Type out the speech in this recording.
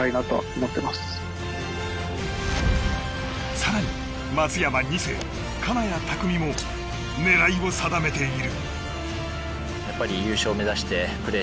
更に、松山２世金谷拓実も狙いを定めている。